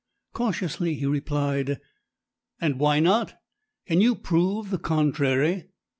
Cautiously he replied: "And why not? Can you prove the contrary?